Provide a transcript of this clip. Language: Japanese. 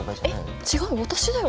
えっ違う私だよ。